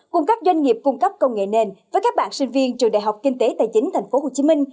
cùng các doanh nghiệp cung cấp công nghệ nền với các bạn sinh viên trường đại học kinh tế tài chính tp hcm